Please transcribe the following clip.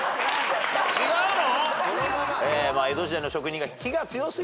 違うの？